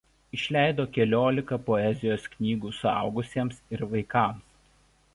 Išleido keliolika poezijos knygų suaugusiems ir vaikams.